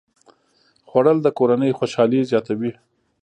خوړل د کورنۍ خوشالي زیاته وي